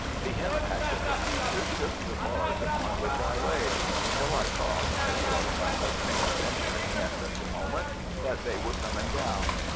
The impact of the creature shook the bars upon which I lay, until I thought (as far as I could think of anything at such a moment) that they were coming down.